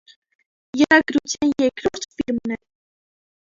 Եռագրության երկրորդ ֆիլմն է։